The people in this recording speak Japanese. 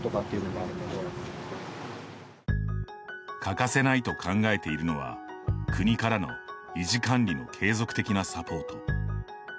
かかせないと考えているのは国からの維持管理の継続的なサポート。